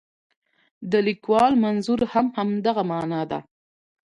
د لیکوال منظور هم همدغه معنا ده.